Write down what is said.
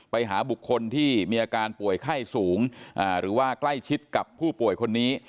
ไปหาบุคคลที่มีอาการป่วยไข้สูงหรือว่าใกล้ชิดกับผู้ป่วยคนนี้